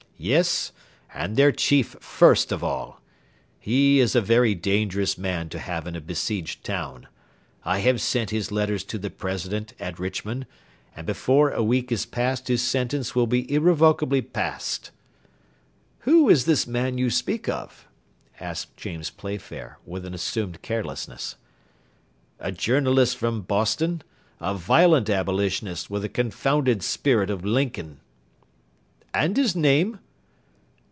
"Yes, and their chief first of all. He is a very dangerous man to have in a besieged town. I have sent his letters to the President at Richmond, and before a week is passed his sentence will be irrevocably passed." "Who is this man you speak of?" asked James Playfair, with an assumed carelessness. "A journalist from Boston, a violent Abolitionist with the confounded spirit of Lincoln." "And his name?"